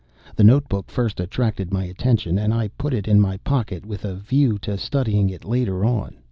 The notebook first attracted my attention, and I put it in my pocket with a view of studying it later on.